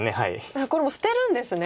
これもう捨てるんですね。